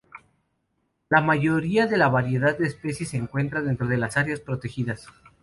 La mayoría de la variedad de especies se encuentra dentro de las áreas protegidas.